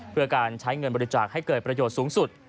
เพื่อการใช้เงินบริจาคให้เกิดประโยชน์สูงสุด